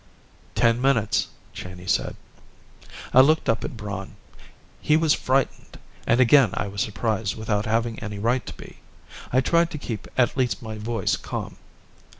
"Ten minutes," Cheyney said. I looked up at Braun. He was frightened, and again I was surprised without having any right to be. I tried to keep at least my voice calm.